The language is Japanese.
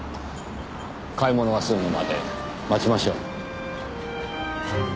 買い物が済むまで待ちましょう。